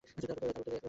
উত্তরের এক লোক।